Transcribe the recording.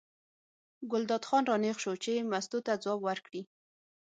ګلداد خان را نېغ شو چې مستو ته ځواب ورکړي.